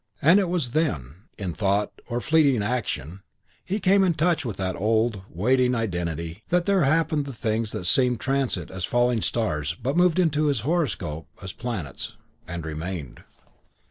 And it was when, in thought or fleeting action, he came in touch with that old, waiting identity, that there happened the things that seemed transient as falling stars but moved into his horoscope as planets, and remained.